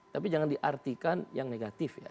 tapi jangan diartikan yang negatif ya